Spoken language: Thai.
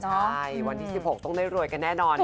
ใช่วันที่๑๖ต้องได้รวยกันแน่นอน